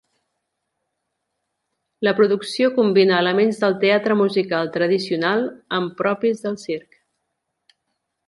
La producció combina elements del teatre musical tradicional amb propis del circ.